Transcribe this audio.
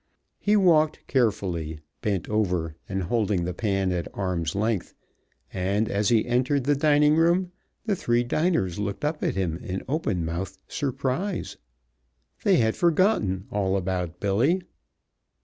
He walked carefully, bent over and holding the pan at arm's length, and as he entered the dining room the three diners looked up at him in open mouthed surprise. They had forgotten all about Billy.